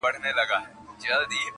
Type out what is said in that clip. د خندا جنازه ولاړه غم لړلې!!